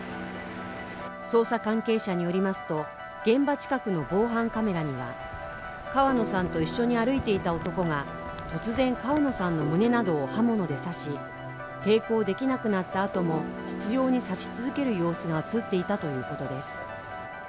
捜査関係者によりますと、現場近くの防犯カメラには川野さんと一緒に歩いていた男が突然、川野さんの胸などを刃物で刺し抵抗できなくなったあとも執ように刺し続ける様子が映っていたということです。